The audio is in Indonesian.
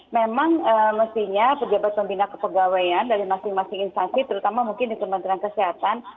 memang mestinya pejabat pembina kepegawaian dari masing masing instansi terutama mungkin di kementerian kesehatan